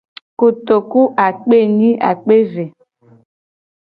Kotoku akpe yi akpe ve.